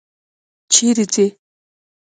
چیري ځې؟